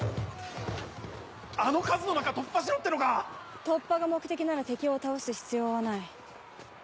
あの数の中突破しろってのか⁉突破が目的なら敵を倒す必要はない。